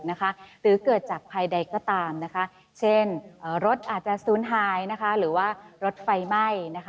หรือเกิดจากภัยใดก็ตามเช่นรถอาจจะซูนหายหรือว่ารถไฟไหม้